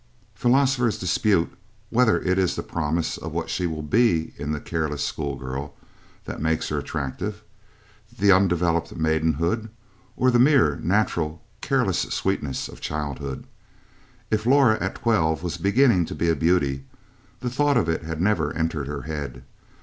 Philosophers dispute whether it is the promise of what she will be in the careless school girl, that makes her attractive, the undeveloped maidenhood, or the mere natural, careless sweetness of childhood. If Laura at twelve was beginning to be a beauty, the thought of it had never entered her head.